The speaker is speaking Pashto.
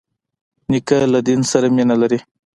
نیکه له دین سره مینه لري.